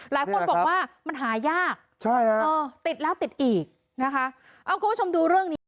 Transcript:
หลายคนบอกว่ามันหายากใช่ฮะเออติดแล้วติดอีกนะคะเอาคุณผู้ชมดูเรื่องนี้